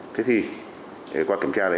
thế thì qua kiểm tra đấy